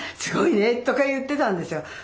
「すごいね」とか言ってたんですよ。